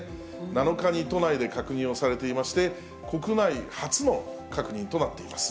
７日に都内で確認をされていまして、国内初の確認となっています。